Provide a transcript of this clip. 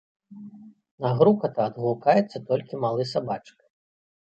На грукат адгукаецца толькі малы сабачка.